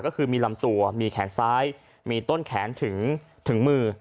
ก็คือมีลำตัวมีแขนซ้ายมีต้นแขนถึงมือ